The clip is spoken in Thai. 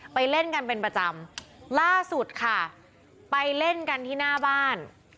เล่นกันเป็นประจำล่าสุดค่ะไปเล่นกันที่หน้าบ้าน